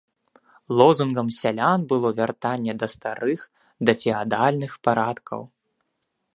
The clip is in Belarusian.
Лозунгам сялян было вяртанне да старых дафеадальных парадкаў.